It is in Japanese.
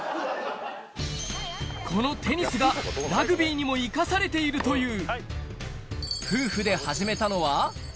このテニスがラグビーにも生かされているという１・２・３・４。